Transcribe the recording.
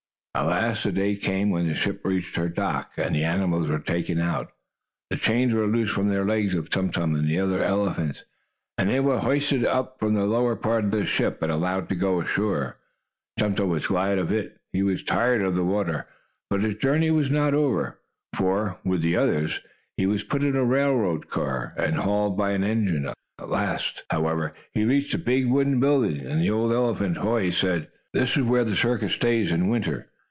At last the day came when the ship reached her dock, and the animals were taken out. The chains were loosed from the legs of Tum Tum and the other elephants, and they were hoisted up from the lower part of the ship, and allowed to go ashore. Tum Tum was glad of it, for he was tired of the water. But his journey was not over, for, with the others, he was put in a railroad car, and hauled by an engine. At last, however, he reached a big wooden building, and the old elephant, Hoy, said: "This is where the circus stays in winter.